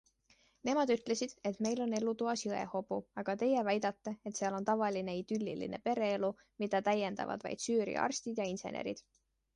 Nemad ütlesid, et meil on elutoas jõehobu, aga teie väidate, et seal on tavaline idülliline pereelu, mida täiendavad vaid Süüria arstid ja insenerid.